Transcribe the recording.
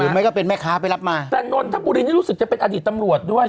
ไม่ก็เป็นแม่ค้าไปรับมาแต่นนทบุรีนี่รู้สึกจะเป็นอดีตตำรวจด้วย